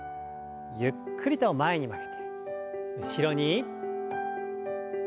ゆっくりと前に曲げて後ろに。